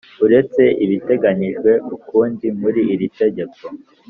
Uretse ibiteganyijwe ukundi muri iri tegeko